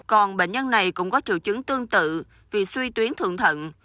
còn bệnh nhân này cũng có triệu chứng tương tự vì suy tuyến thượng thận